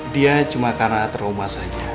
dia cuma karena trauma saja